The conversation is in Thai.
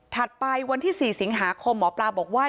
ไปวันที่๔สิงหาคมหมอปลาบอกว่า